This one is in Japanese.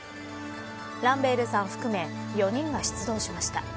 ランベールさん含め４人が出動しました。